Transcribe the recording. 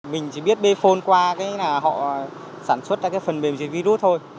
mình chỉ biết bphone qua họ sản xuất phần mềm dưới virus thôi